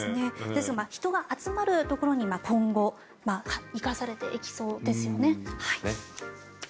人が集まるところに今後生かされていきそうですね。